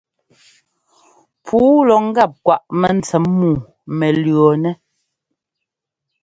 Puu lɔ ŋ́gap kwaꞌ mɛntsɛm muu mɛ lʉ̈ɔnɛ́.